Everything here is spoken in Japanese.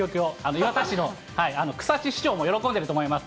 磐田市の市長も喜んでいると思います。